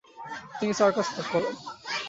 তিনি সার্কাস ত্যাগ করেন।